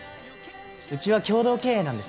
うちは共同経営なんです。